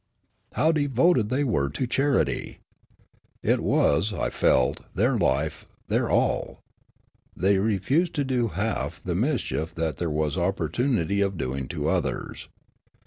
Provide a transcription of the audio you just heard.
How devoted the}' were to charity ! It was, I felt, their life, their all. They refused to do half the mis chief that there was opportunity of doing to others.